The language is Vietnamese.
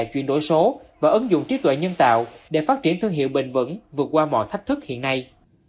chuyển đổi số và ứng dụng trí tuệ nhân tạo để phát triển thương hiệu bình vẩn vượt qua mọi thách thức hiện nay